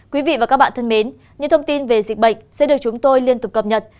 quý vị và các bạn thân mến những thông tin về dịch bệnh sẽ được chúng tôi liên tục cập nhật